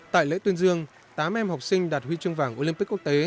tại lễ tuyên dương tám em học sinh đạt huy chương vàng olympic quốc tế